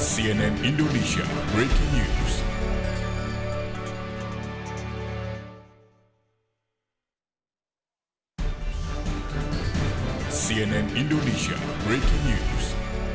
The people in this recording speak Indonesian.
cnn indonesia breaking news